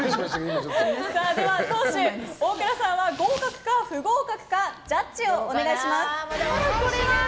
では、党首大倉さんは合格か不合格かジャッジをお願いします。